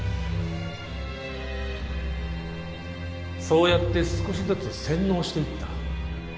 そうやって少しずつ洗脳していった。